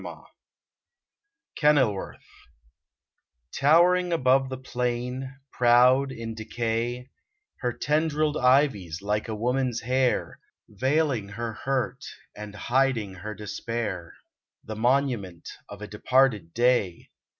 127 KENILWORTH ^ I ^owERiNG above the plain, proud in decay, — Her tendriled ivies, like a woman's hair, Veiling her hurt and hiding her despair, — The monument of a departed day.